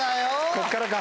こっからか。